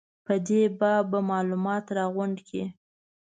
په دې باب به معلومات راغونډ کړي.